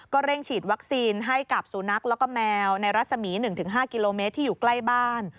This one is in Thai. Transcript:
เร่งฉีดวัคซีนให้กับสุนัขแล้วก็แมวในรัศมี๑๕กิโลเมตรที่อยู่ใกล้บ้าน